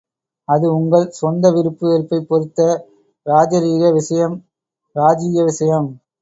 அது உங்கள் சொந்த விருப்பு வெறுப்பைப் பொறுத்த ராஜரீக விஷயம் ராஜீய விஷயம்!